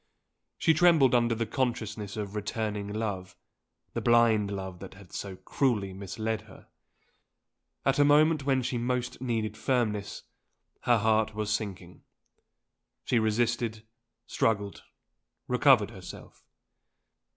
She trembled under the consciousness of returning love the blind love that had so cruelly misled her! At a moment when she most needed firmness, her heart was sinking; she resisted, struggled, recovered herself.